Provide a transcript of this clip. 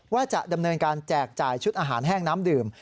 ว่าจะดำเนินการแจกจ่ายชุดอาหารแห้งน้ำดื่ม